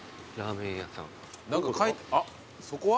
あっそこは？